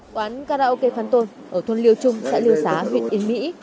quán karaoke phan tôn ở thôn liêu trung xã liêu xá huyện yên mỹ